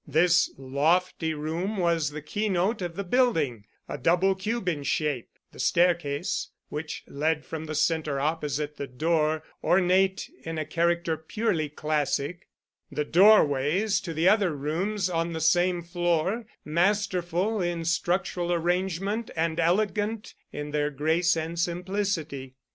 This lofty room was the keynote of the building—a double cube in shape, the staircase which led from the centre opposite the door ornate in a character purely classic—the doorways to the other rooms on the same floor masterful in structural arrangement and elegant in their grace and simplicity.